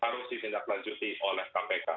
harus disindak lanjuti oleh kpk